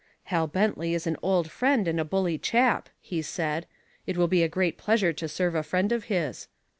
"Hal Bentley is an old friend and a bully chap," he said. "It will be a great pleasure to serve a friend of his."